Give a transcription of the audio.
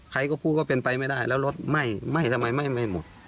ใครก็พูดว่าเป็นไปไม่ได้แล้วรถไหม้ทำไมไหม้หมด